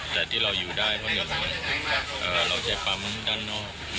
แต่ที่เราอยู่ได้เพราะเงินเราใช้ปั๊มด้านนอก